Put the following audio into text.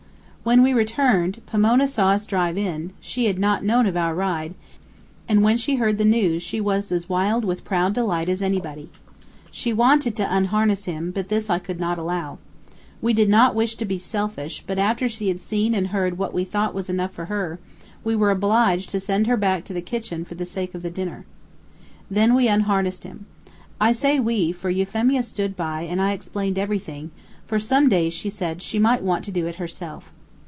When we returned, Pomona saw us drive in, she had not known of our ride, and when she heard the news she was as wild with proud delight as anybody. She wanted to unharness him, but this I could not allow. We did not wish to be selfish, but after she had seen and heard what we thought was enough for her, we were obliged to send her back to the kitchen for the sake of the dinner. Then we unharnessed him. I say we, for Euphemia stood by and I explained everything, for some day, she said, she might want to do it herself.